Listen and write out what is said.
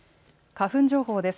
花粉情報です。